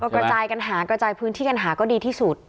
กระจายกันหากระจายพื้นที่กันหาก็ดีที่สุด